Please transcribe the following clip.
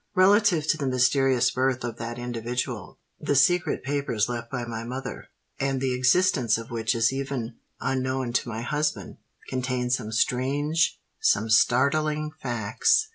Relative to the mysterious birth of that individual, the secret papers left by my mother—and the existence of which is even unknown to my husband—contain some strange, some startling facts.